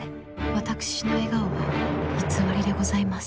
私の笑顔は偽りでございます。